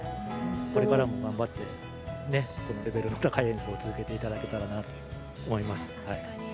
これからも頑張ってレベルの高い演奏を続けていただけたらなと思います。